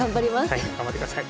はい頑張ってください。